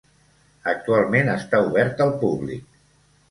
Actualment està obert al públic.